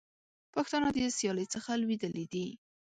پښتانه د سیالۍ څخه لوېدلي دي.